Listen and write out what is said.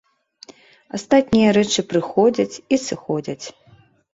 Астатнія рэчы прыходзяць і сыходзяць.